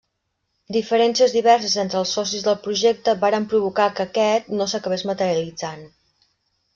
Diferències diverses entre els socis del projecte varen provocar que aquest no s'acabés materialitzant.